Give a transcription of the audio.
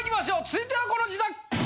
続いてはこの自宅！